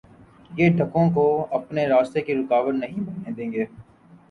یہ دکھوں کو اپنے راستے کی رکاوٹ نہیں بننے دے گی۔